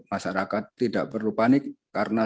masyarakat tidak perlu panik karena